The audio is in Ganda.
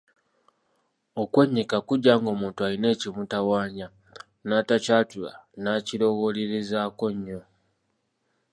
Okwennyika kujja ng’omuntu alina ekimutawaanya n’atakyatula n’akirowoolerezaako nnyo.